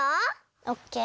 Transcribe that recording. オッケー。